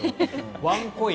ワンコイン。